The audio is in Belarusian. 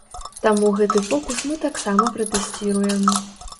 Таму гэты фокус мы таксама пратэсціруем.